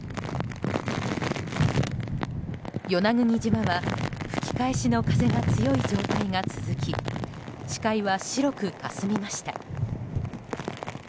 与那国島は吹き返しの風が強い状態が続き視界は白くかすみました。